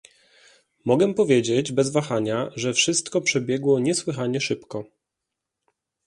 Mogę powiedzieć bez wahania, że wszystko przebiegło niesłychanie szybko